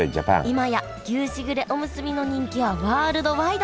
今や牛しぐれおむすびの人気はワールドワイド！